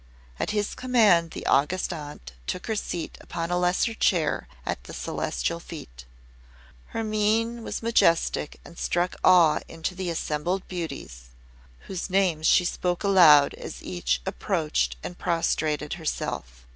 At his command the August Aunt took her seat upon a lesser chair at the Celestial Feet. Her mien was majestic, and struck awe into the assembled beauties, whose names she spoke aloud as each approached and prostrated herself.